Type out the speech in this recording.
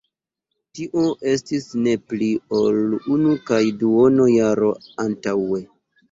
Tio estis ne pli ol unu kaj duono jaro antaŭe.